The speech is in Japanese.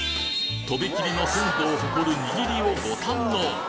とびきりの鮮度を誇る握りをご堪能！